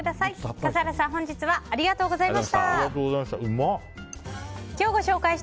笠原さん、本日はありがとうございました。